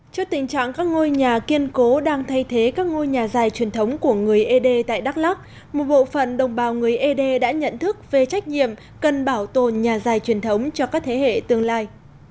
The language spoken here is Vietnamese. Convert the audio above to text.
trước tình trạng các ngôi nhà kiên cố đang thay thế các ngôi nhà dài truyền thống của người ế đê tại đắk lắc một bộ phận đồng bào người ế đê đã nhận thức về trách nhiệm cần bảo tồn nhà dài truyền thống cho các thế hệ tương lai